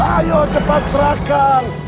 ayo cepat serahkan